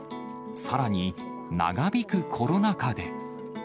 さらに、長引くコロナ禍で。